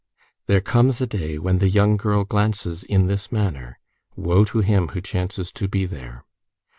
There comes a day when the young girl glances in this manner. Woe to him who chances to be there!